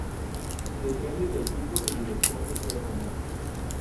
Depende del tipo de dirección que quiero tomar.